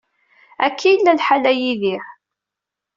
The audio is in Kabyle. Akka i yella lḥal a Yidir.